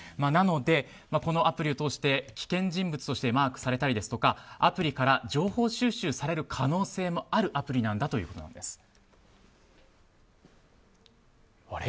なので、このアプリを通して危険人物としてマークされたりアプリから情報収集される可能性もあるアプリだということです。